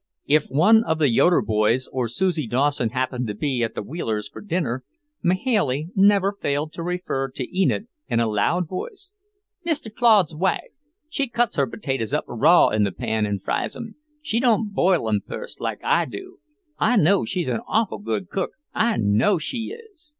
If one of the Yoeder boys or Susie Dawson happened to be at the Wheelers' for dinner, Mahailey never failed to refer to Enid in a loud voice. "Mr. Claude's wife, she cuts her potatoes up raw in the pan an' fries 'em. She don't boil 'em first like I do. I know she's an awful good cook, I know she is."